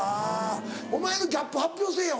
お前のギャップ発表せぇよ